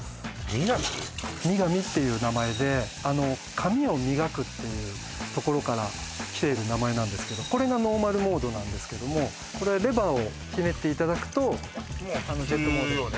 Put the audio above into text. ＭＩＧＡＭＩっていう名前であの髪を磨くっていうところからきている名前なんですけどこれがノーマルモードなんですけどもこれレバーをひねっていただくとまあ普通よね